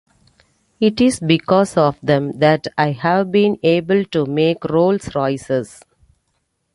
It is because of them that I have been able to make Rolls Royces.